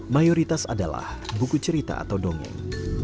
mayoritas adalah buku cerita atau dongeng